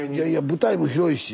舞台も広いし。